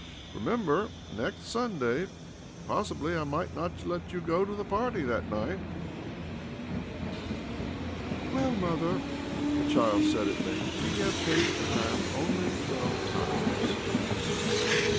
Remember next Sunday. Possibly ( I might not let you go to the party that S| night." ?! "Well, mother," the boy said at length, г " we have paced the path only twelve times."